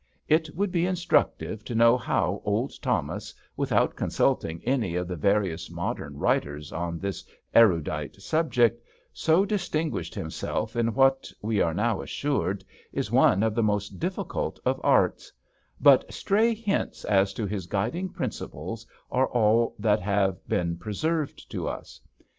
It would be instruc tive to know how old Thomas, without consulting any of the various modern writers on this erudite subject, so distinguished himself in what, we are now assured, is one of the most difficult of arts ; but stray hints as to his guiding principles are all that have been preserved to us.